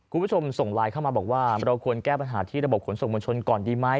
คุณผู้ชมส่งไลน์เข้ามาบอกว่าเราควรแก้ปัญหาที่ระบบขนส่งมวลชนก่อนดีไหม